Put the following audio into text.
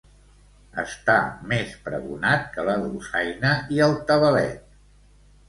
Estar més pregonat que la dolçaina i el tabalet.